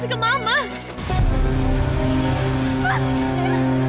kita harus berhasil mas